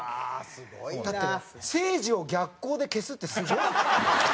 だってせいじを逆光で消すってすごい！